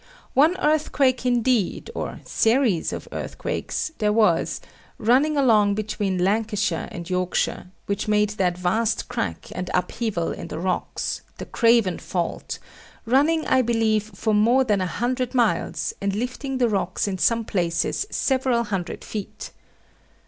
One earthquake indeed, or series of earthquakes, there was, running along between Lancashire and Yorkshire, which made that vast crack and upheaval in the rocks, the Craven Fault, running, I believe, for more than a hundred miles, and lifting the rocks in some places several hundred feet.